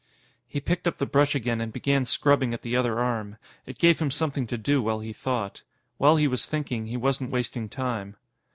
He picked up the brush again and began scrubbing at the other arm. It gave him something to do while he thought. While he was thinking, he wasn't wasting time.